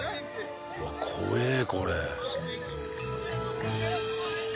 うわ怖えこれ。